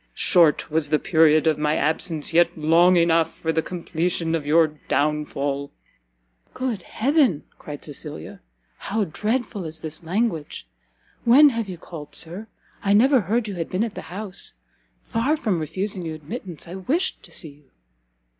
Short was the period of my absence, yet long enough for the completion of your downfall!" "Good heaven," cried Cecilia, "how dreadful is this language! when have you called, Sir? I never heard you had been at the house. Far from refusing you admittance, I wished to see you."